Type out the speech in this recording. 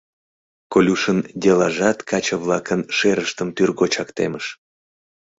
Колюшын делажат каче-влакын шерыштым тӱргочак темыш.